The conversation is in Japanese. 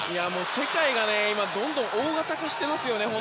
世界がどんどん大型化していますね。